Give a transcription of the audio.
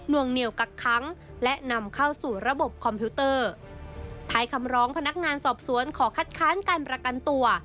วงเหนียวกักค้างและนำเข้าสู่ระบบคอมพิวเตอร์ท้ายคำร้องพนักงานสอบสวนขอคัดค้านการประกันตัว